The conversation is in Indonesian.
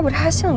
terus abis dulu